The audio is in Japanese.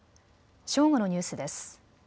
正午のニュースです。